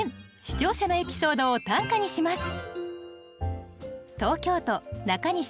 視聴者のエピソードを短歌にします。